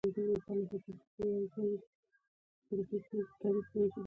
دا رژیمونه د جبر مظاهر دي.